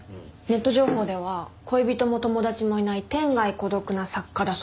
ネット情報では恋人も友達もいない天涯孤独な作家だそうです。